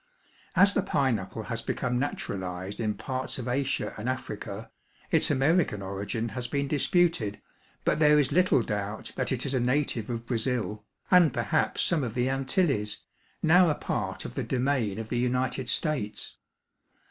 As the pineapple has become naturalized in parts of Asia and Africa, its American origin has been disputed, but there is little doubt that it is a native of Brazil, and perhaps some of the Antilles, now a part of the domain of the United States.